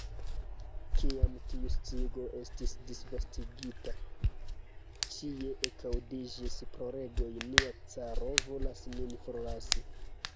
Kiam tiu sciigo estis disvastigita, ĉie ekaŭdiĝis ploregoj: "nia caro volas nin forlasi! »